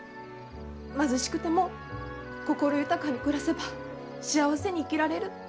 貧しくても心豊かに暮らせば幸せに生きられる。